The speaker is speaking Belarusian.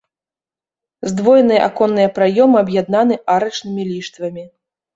Здвоеныя аконныя праёмы аб'яднаны арачнымі ліштвамі.